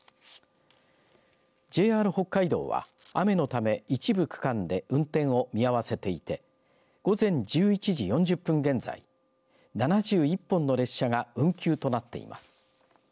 ＪＲ北海道は雨のため一部区間で運転を見合わせていて午前１１時４０分現在７１本の列車が運休となっています。